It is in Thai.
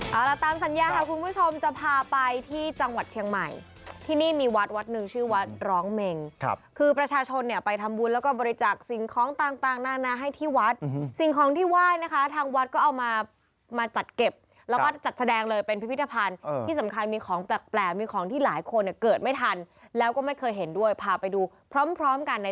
เอาล่ะตามสัญญาค่ะคุณผู้ชมจะพาไปที่จังหวัดเชียงใหม่ที่นี่มีวัดวัดหนึ่งชื่อวัดร้องเมงครับคือประชาชนเนี่ยไปทำบุญแล้วก็บริจาคสิ่งของต่างต่างนานาให้ที่วัดสิ่งของที่ไหว้นะคะทางวัดก็เอามามาจัดเก็บแล้วก็จัดแสดงเลยเป็นพิพิธภัณฑ์ที่สำคัญมีของแปลกมีของที่หลายคนเนี่ยเกิดไม่ทันแล้วก็ไม่เคยเห็นด้วยพาไปดูพร้อมพร้อมกันใน